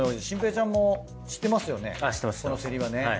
心平ちゃんも知ってますよね？